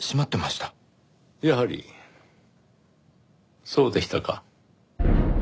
やはりそうでしたか。